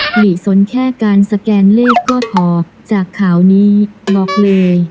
หลีสนแค่การสแกนเลขก็พอจากข่าวนี้บอกเลย